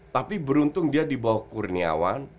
tapi beruntung dia di bawah kurniawan